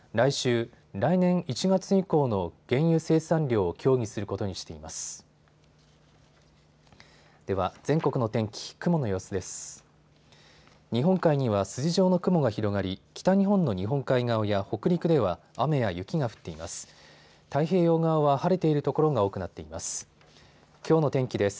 日本海には筋状の雲が広がり、北日本の日本海側や北陸では雨や雪が降っています。